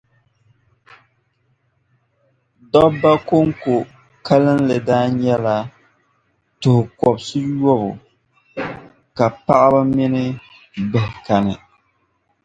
dɔbba kɔŋko kalinli daa nyɛla tuh’ kɔbisiyɔbu, ka paɣiba mini bihi kani.